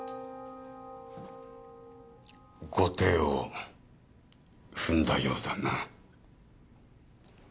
後手を踏んだようだな。